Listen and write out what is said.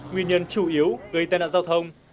nguyên nhân chủ yếu gây tai nạn giao thông